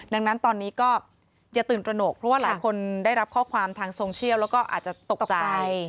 ดังนั้นตอนนี้ก็อย่าตื่นตระหนกเพราะว่าหลายคนได้รับข้อความทางโซเชียลแล้วก็อาจจะตกใจ